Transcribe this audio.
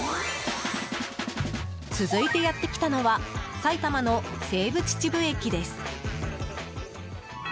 続いてやってきたのは埼玉の西武秩父駅です。